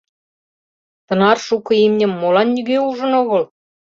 Тынар шуко имньым молан нигӧ ужын огыл?